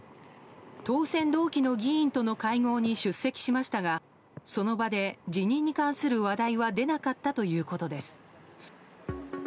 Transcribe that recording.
当選同期の議員との会合に出席しましたがその場で辞任に関する話題は出なかったということです。